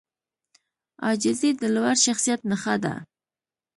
عاجزي د لوړ شخصیت نښه ده.